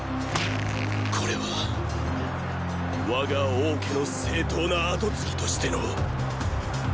これは我が“王”家の正統な後継ぎとしてのーー。